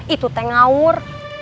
itu teh ngawur